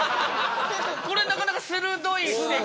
これなかなか鋭い指摘。